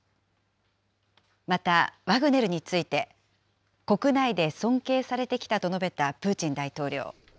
また、ワグネルについて、国内で尊敬されてきたと述べたプーチン大統領。